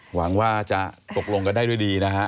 หวังว่าจะตกลงกันได้ด้วยดีนะฮะ